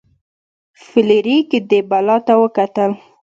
فلیریک دې بلا ته وکتل.